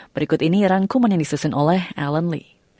berikut ini rangkuman yang disusun oleh alan lee